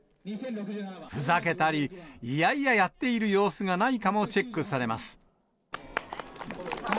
ふざけたり、嫌々やっている様子がないかもチェックされます。